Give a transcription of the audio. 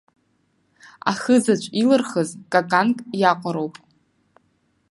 Ахызаҵә илырхыз каканк иаҟароуп.